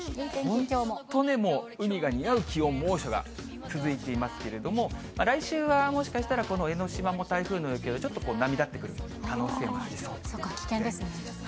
本当に海が似合う気温、猛暑が続いていますけれども、来週はもしかしたら、この江の島も台風の影響でちょっと波立ってくる可能性もありそうそうか、危険ですね。